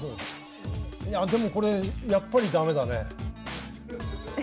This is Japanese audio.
いやあでもこれやっぱり駄目だね。